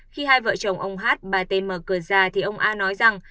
khi hai vợ chồng ông hát bà t mở cửa ra thì ông a nói rằng